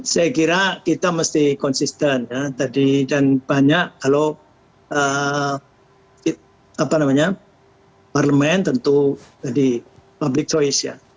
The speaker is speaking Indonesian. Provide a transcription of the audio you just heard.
saya kira kita mesti konsisten ya tadi banyak kalau parlemen tentu public choice ya